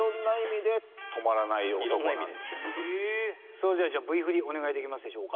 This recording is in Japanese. それではじゃあＶ振りお願いできますでしょうか。